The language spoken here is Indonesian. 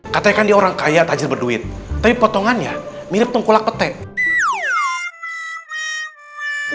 kata ya kan dia orang kaya tajir berduit tapi potongannya mirip tengkolak petai